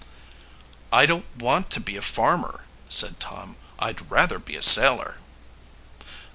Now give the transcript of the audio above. "I don't want to be a farmer," said Tom. "I'd rather be a sailor."